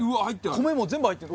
米も全部入ってる。